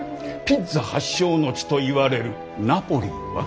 ピッツァ発祥の地といわれるナポリは？